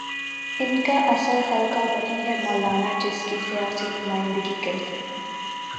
ان کا اصل حلقہ وہی ہے، مولانا جس کی سیاسی نمائندگی کرتے ہیں۔